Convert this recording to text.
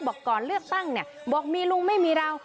บอกก่อนเลือกตั้งเนี่ยบอกมีลุงไม่มีเรา